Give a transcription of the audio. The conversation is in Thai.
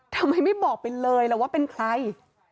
ทำไมไม่บอกไปเลยล่ะว่าเป็นใคร